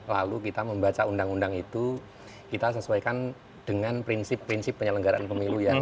lalu kita membaca undang undang itu kita sesuaikan dengan prinsip prinsip penyelenggaraan pemilu yang